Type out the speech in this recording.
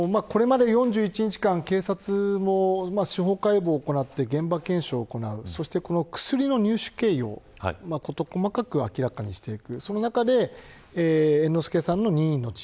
これまで４１日間警察も司法解剖を行って現場検証を行って薬の入手経緯を事細かく明らかにしていく。